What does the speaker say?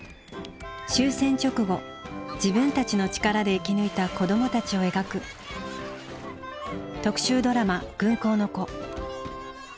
終戦直後自分たちの力で生き抜いた子どもたちを描く特集ドラマ「軍港の子」